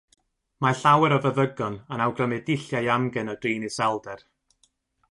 Mae llawer o feddygon yn awgrymu dulliau amgen o drin iselder.